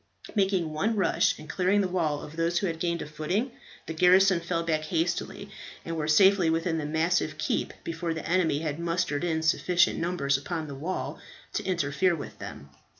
Making one rush, and clearing the wall of those who had gained a footing, the garrison fell back hastily, and were safely within the massive keep before the enemy had mustered in sufficient numbers upon the wall to interfere with them.